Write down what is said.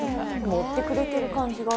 盛ってくれてる感じが。